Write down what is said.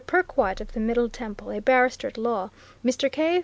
Perkwite, of the Middle Temple a barrister at law, Mr. Cave.